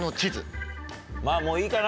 まぁもういいかな